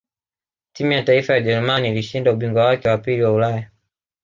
timu ya taifa ya ujerumani ilishinda ubingwa wake wa pili wa ulaya